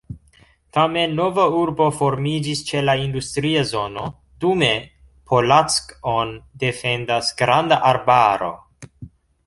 Tamen, nova urbo formiĝis ĉe la industria zono, dume Polack-on defendas granda arbaro.